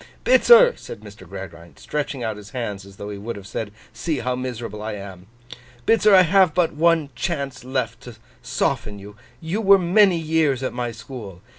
'Bitzer,' said Mr. Gradgrind, stretching out his hands as though he would have said, See how miserable I am! 'Bitzer, I have but one chance left to soften you. You were many years at my school.